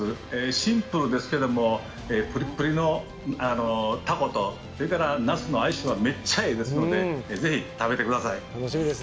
シンプルですけどもぷりっぷりのタコとそれからナスの相性がめっちゃええのでぜひ食べてください。